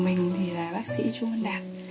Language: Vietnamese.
mình là bác sĩ trung văn đạt